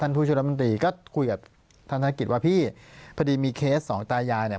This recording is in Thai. ผู้ช่วยรัฐมนตรีก็คุยกับธนกิจว่าพี่พอดีมีเคสสองตายายเนี่ย